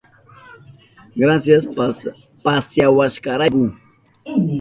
Grasias pasyawashkaykirayku.